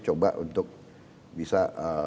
coba untuk bisa